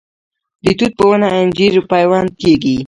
د توت په ونه انجیر پیوند کیږي؟